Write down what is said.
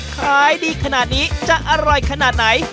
ขายดีขนาดนี้จะอร่อยขนาดไหน